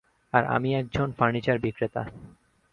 আর আমি একজন ফার্নিচার বিক্রেতা।